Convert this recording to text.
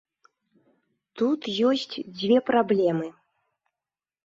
Тут ёсць дзве праблемы.